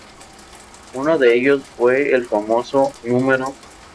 Uno de ellos fue el el famoso "No.